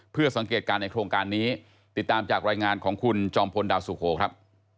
เพื่อสังเกตการณ์ในโครงการนี้ติดตามจากรายงานของคุณจอมพลดาวสุโขครับ